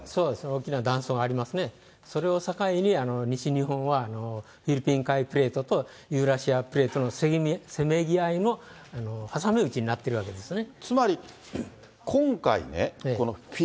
大きな断層がありますね、それを境に、西日本はフィリピン海プレートとユーラシアプレートのせめぎ合いのはさみうちになってるわけですね。